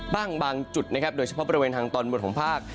บางจุดนะครับโดยเฉพาะบริเวณทางตอนบนของภาค